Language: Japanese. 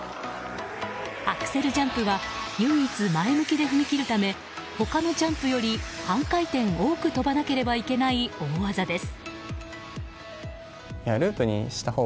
アクセルジャンプは唯一、前向きで踏み切るため他のジャンプより半回転多く跳ばなければいけない大技です。